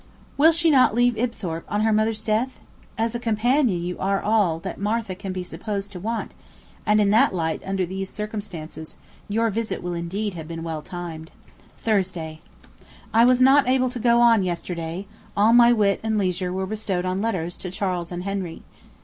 Will not she leave Ibthorp on her mother's death? As a companion you are all that Martha can be supposed to want, and in that light, under these circumstances, your visit will indeed have been well timed. 'Thursday. I was not able to go on yesterday; all my wit and leisure were bestowed on letters to Charles and Henry.